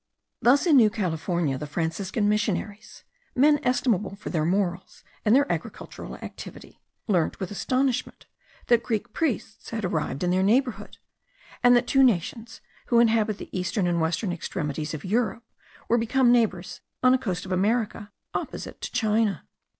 Thus in New California the Franciscan missionaries, men estimable for their morals, and their agricultural activity, learnt with astonishment, that Greek priests had arrived in their neighbourhood; and that two nations, who inhabit the eastern and western extremities of Europe, were become neighbours on a coast of America opposite to China.